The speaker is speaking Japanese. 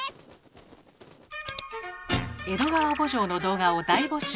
「江戸川慕情」の動画を大募集。